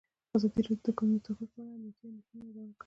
ازادي راډیو د د کانونو استخراج په اړه د امنیتي اندېښنو یادونه کړې.